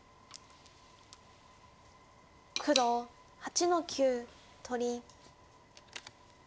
黒８の九取り。